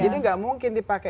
jadi gak mungkin dipake